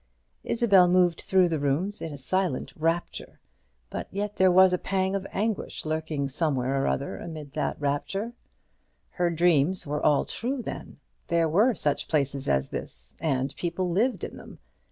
Isabel moved through the rooms in a silent rapture; but yet there was a pang of anguish lurking somewhere or other amid all that rapture. Her dreams were all true, then; there were such places as this, and people lived in them.